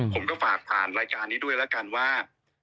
ผมก็ฝากผ่านรายการนี้ด้วยแล้วกันว่า